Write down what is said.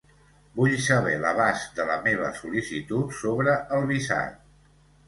Vull saber l'abast de la meva sol·licitut sobre el visat.